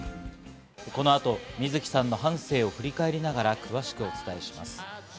この後、水木さんの半生を振り返りながら詳しくお伝えします。